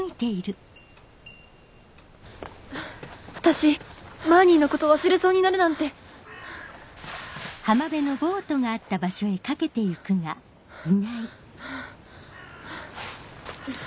私マーニーのこと忘れそうになるなんてハァハァハァ。